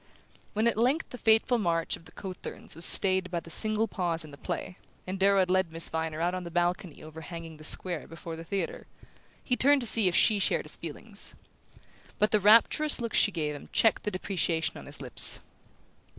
When at length the fateful march of the cothurns was stayed by the single pause in the play, and Darrow had led Miss Viner out on the balcony overhanging the square before the theatre, he turned to see if she shared his feelings. But the rapturous look she gave him checked the depreciation on his lips.